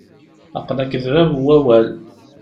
Aql-ak d bab n wawal.